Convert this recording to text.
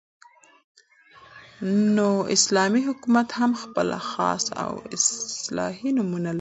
، نو اسلامي حكومت هم خپل خاص او اصطلاحي نومونه لري